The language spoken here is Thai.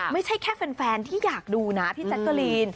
ไม่ใช่แค่แฟนที่อยากดูนะพี่แจ๊กเกอรีน